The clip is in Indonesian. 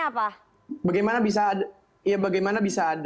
pak ferry makan mengatakan